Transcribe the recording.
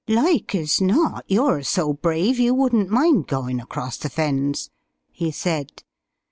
"Like as not you're so brave you wouldn't mind goin' across the Fens," he said.